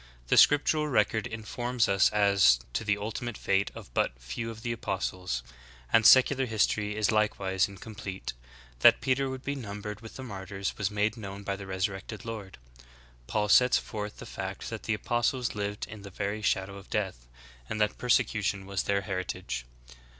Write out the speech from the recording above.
'" The scriptural record informs us as to the ultimate fate of but few of the apostles; and secular history is likewise in complete. That Peter would be numbered with the martyrs was made known by the resurrected Lord." Paul sets forth the fact that the apostles lived in the very shadow of death and that persecution was their heritage.